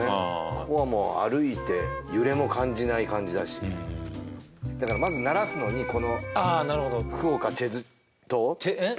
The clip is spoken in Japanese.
ここはもう歩いて揺れも感じない感じだしだからまず慣らすのにこのああなるほど福岡チェズ島チェうん？